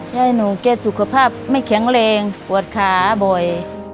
ยายหนูแกสุขภาพไม่แข็งแรงปวดขาบ่อย